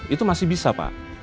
itu masih bisa pak